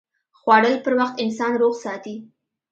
خوړل پر وخت انسان روغ ساتي